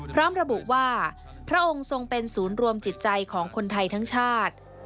พร้อมระบุว่าพระองค์ทรงเป็นศูนย์รวมจิตใจของคนไทยทั้งชาติ